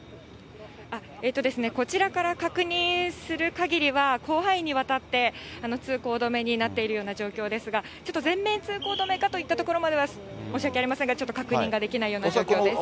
こちらから確認するかぎりは、広範囲にわたって、通行止めになっているような状況ですが、ちょっと全面通行止めかといったところまでは、申し訳ありませんが、ちょっと確認ができないような状況です。